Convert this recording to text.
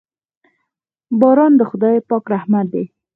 باران د خداے پاک رحمت دے